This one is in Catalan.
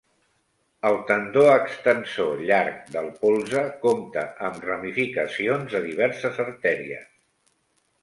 El tendó extensor llarg del polze compta amb ramificacions de diverses artèries.